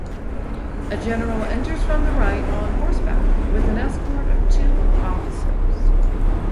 A general enters from the right on horseback with an escort of two officers.